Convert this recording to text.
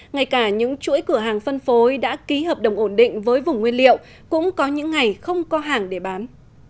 ngay cả những chuỗi cửa hàng phân phối đã ký hợp đồng ổn định với vùng nguyên liệu cũng có những ngày không có hàng để bán